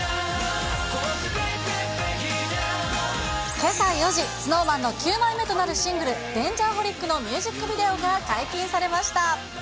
けさ４時、ＳｎｏｗＭａｎの９枚目となるシングル、Ｄａｎｇｅｒｈｏｌｉｃのミュージックビデオが解禁されました。